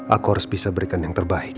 aku harus bisa berikan yang terbaik